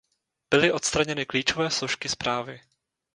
Byly odstraněny klíčové složky zprávy.